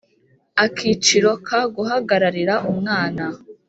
Akiciro ka Guhagararira umwana